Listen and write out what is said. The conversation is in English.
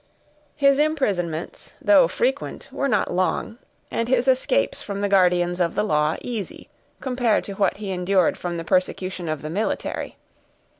His imprisonments, though frequent, were not long; and his escapes from the guardians of the law easy, compared to what he endured from the persecution of the military.